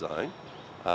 phong trào khác